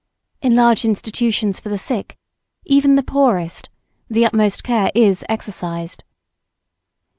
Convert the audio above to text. In large institutions for the sick, even the poorest, the utmost care is exercised.